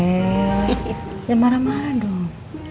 jangan marah marah dong